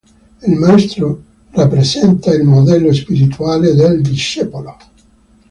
Il Maestro rappresenta il modello spirituale del discepolo.